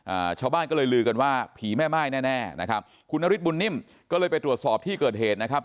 อ่าชาวบ้านก็เลยลือกันว่าผีแม่ม่ายแน่แน่นะครับคุณนฤทธบุญนิ่มก็เลยไปตรวจสอบที่เกิดเหตุนะครับ